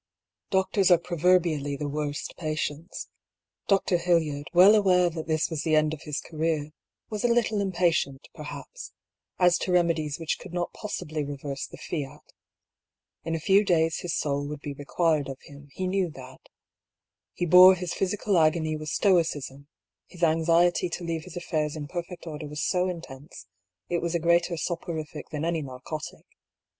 Doctors are proverbially the worst patients. Dr. Hildyard, well aware that this was the end of his career, was a little impatient, perhaps, as to remedies which could not possibly reverse the fiat. In a few days his soul would be required of him, he knew that. He bore his physical agony with stoicism ; his anxiety to leave his affairs in perfect order was so intense, it was a greater soporific than any narcotic.